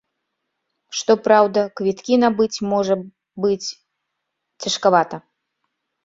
Што праўда, квіткі набыць можа быць цяжкавата.